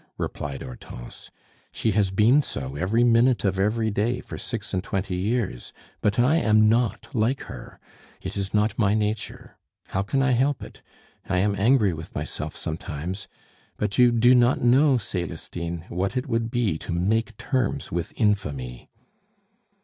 replied Hortense. "She has been so every minute of every day for six and twenty years; but I am not like her, it is not my nature. How can I help it? I am angry with myself sometimes; but you do not know, Celestine, what it would be to make terms with infamy."